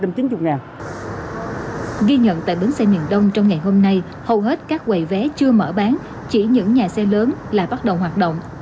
ghi nhận tại bến xe miền đông trong ngày hôm nay hầu hết các quầy vé chưa mở bán chỉ những nhà xe lớn lại bắt đầu hoạt động